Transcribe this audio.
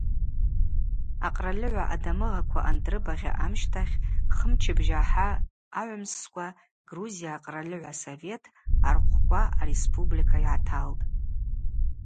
Акъральыгӏва адамыгъаква андрыбагъьа амщтахь хымчыбжьа ахӏа агӏвымсскӏва Грузия Акъральыгӏва Совет архъвква ареспублика йгӏаталтӏ.